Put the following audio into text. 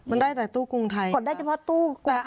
มันได้แต่ตู้กรุงไทยค่ะ